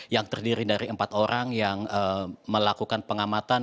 yang terdiri dari empat orang yang melakukan pengamatan